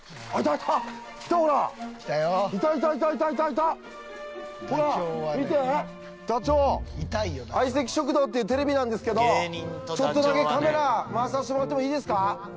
いたほらいたいたいたいたほら見てダチョウ相席食堂っていうテレビなんですけどちょっとだけカメラ回させてもらってもいいですか？